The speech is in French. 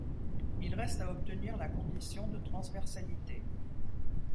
Il reste à obtenir la condition de transversalité.